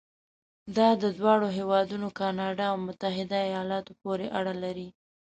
دا د دواړو هېوادونو کانادا او متحده ایالاتو پورې اړه لري.